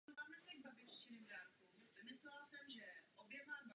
V době svého zavedení do služby byly ostatní bombardéry rázem zastaralé.